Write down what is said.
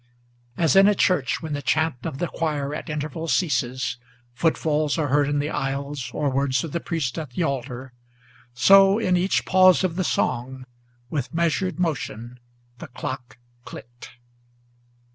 As in a church, when the chant of the choir at intervals ceases, Footfalls are heard in the aisles, or words of the priest at the altar, So, in each pause of the song, with measured motion the clock clicked.